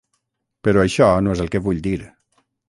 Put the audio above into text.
Però això no és el que vull dir.